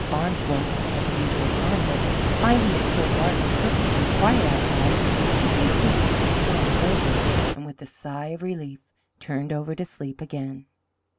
Barnes woke at the usual time, but finding it still dark and perfectly quiet outside, she concluded that the storm was over, and with a sigh of relief turned over to sleep again.